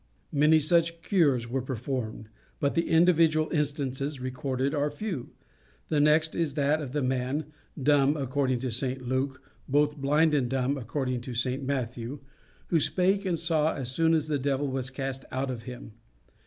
Many such cures were performed, but the individual instances recorded are few. The next is that of the man dumb, according to St Luke, both blind and dumb, according to St Matthew who spake and saw as soon as the devil was cast out of him.